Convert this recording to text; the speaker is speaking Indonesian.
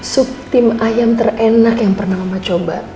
subtin ayam terenak yang pernah mama coba